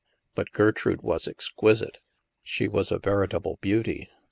But Gertrude was exquisite. She 22 THE MASK was a veritable beauty.